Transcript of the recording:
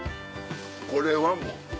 これはもう。